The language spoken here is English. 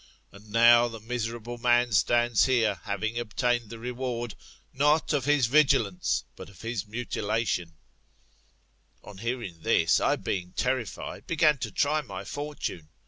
And now the miserable man stands here, having obtained the reward, not of his vigilance, but of his GOLDEN ASS, Ot APULBIUS. — BOOR It. 33 mutilation. On hearing this, I, being terrified, began to try my fortune.